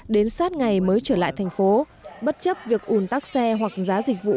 đến sát ngày mới trở lại tp hcm bất chấp việc ủn tắc xe hoặc giá dịch vụ